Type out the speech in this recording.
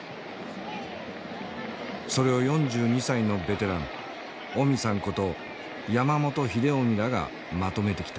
それを４２歳のベテランオミさんこと山本英臣らがまとめてきた。